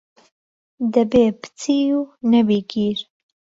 دەبێ پچی و نەبی گیر